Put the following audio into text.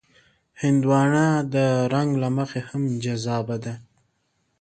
هندوانه د رنګ له مخې هم جذابه ده.